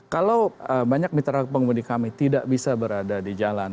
kalau banyak mitra pengemudi kami tidak bisa berada di jalan